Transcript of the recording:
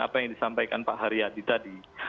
apa yang disampaikan pak haryadi tadi